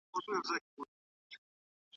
آیا روغتونونه تر کلینیکونو زیات بسترونه لري؟